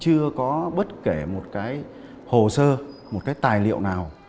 chưa có bất kể một cái hồ sơ một cái tài liệu nào